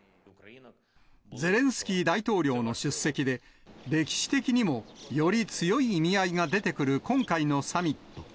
ゼレンスキー大統領の出席で、歴史的にも、より強い意味合いが出てくる今回のサミット。